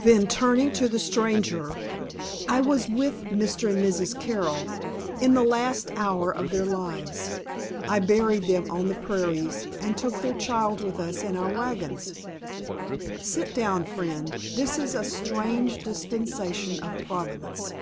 Then, turning to the stranger, "I was with Mr. and Mrs. Carroll in the last hour of their lives. I buried them on the prairies, and took their child with us in our wagons. Sit down, friend, this is a strange dispensation of Providence.